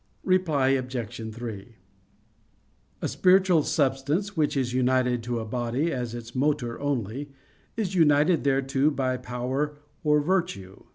Reply Obj. 3: A spiritual substance which is united to a body as its motor only, is united thereto by power or virtue.